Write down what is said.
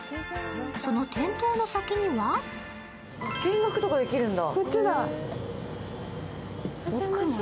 その店頭の先には見学とかできるんだ。